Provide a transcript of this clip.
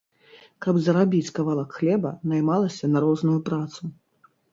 Каб зарабіць кавалак хлеба, наймалася на розную працу.